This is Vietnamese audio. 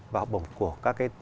và học bổng của các cái